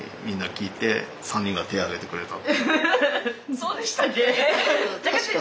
そうでしたっけ？